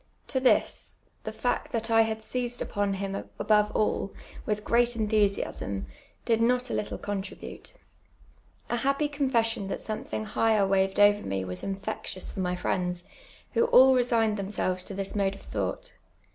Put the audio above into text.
To this, the fact that I had seized iij)on him above all, with preat enthusiasm, did not a little contribute. A ha])])y confession that somethinpj hip; hcr waved over me was infectious for my friends, who all resi<^ned themselves to this mode of thcm^ht.